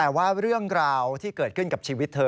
แต่ว่าเรื่องราวที่เกิดขึ้นกับชีวิตเธอ